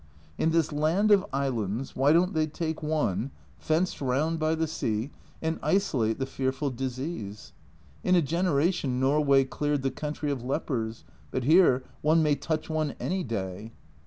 In this land of islands why don't they take one, (c 128) P 2io A Journal from Japan fenced round by the sea, and isolate the fearful dis ease? In a generation Norway cleared the country of lepers but here one may touch one any day.